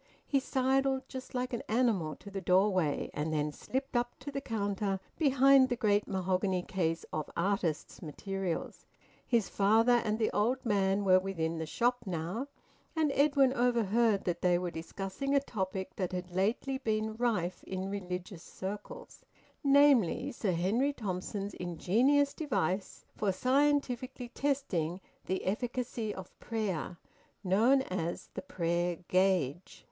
He sidled, just like an animal, to the doorway, and then slipped up to the counter, behind the great mahogany case of `artists' materials.' His father and the old man were within the shop now, and Edwin overheard that they were discussing a topic that had lately been rife in religious circles, namely, Sir Henry Thompson's ingenious device for scientifically testing the efficacy of prayer, known as the `Prayer Gauge.'